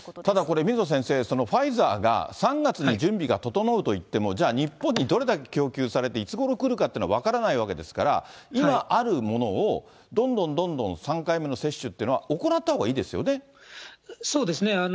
ただこれ、水野先生、ファイザーが、３月に準備が整うといっても、じゃあ日本にどれだけ供給されて、いつごろ来るかっていうのは分からないわけですから、今あるものを、どんどんどんどん３回目の接種っていうのは、行ったほうがいそうですね。